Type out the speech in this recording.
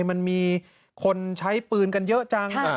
มันมีคนใช้ปืนกันเยอะจัง